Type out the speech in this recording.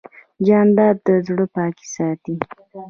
جانداد د زړه پاکي ساتي.